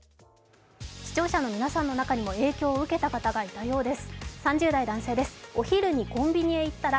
視聴者の皆さんの中にも影響を受けた方がいたそうです。